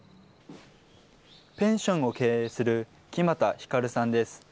ペンションを経営する木全光さんです。